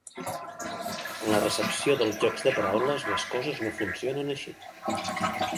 En la recepció dels jocs de paraules les coses no funcionen així.